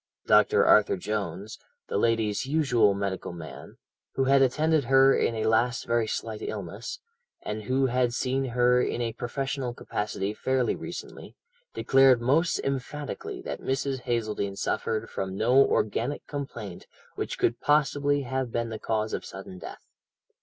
Dr. Arthur Jones, the lady's usual medical man, who had attended her in a last very slight illness, and who had seen her in a professional capacity fairly recently, declared most emphatically that Mrs. Hazeldene suffered from no organic complaint which could possibly have been the cause of sudden death.